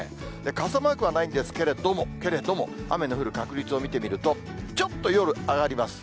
傘マークはないんですけれども、雨の降る確率を見てみると、ちょっと夜、上がります。